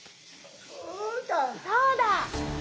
そうだ！